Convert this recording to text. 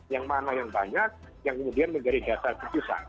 yang mana yang banyak yang kemudian menjadi dasar keputusan